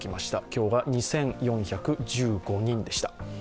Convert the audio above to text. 今日が２４１５人でした。